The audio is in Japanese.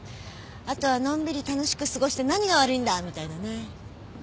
後はのんびり楽しく過ごして何が悪いんだみたいなね。